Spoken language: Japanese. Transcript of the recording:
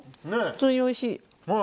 普通においしい。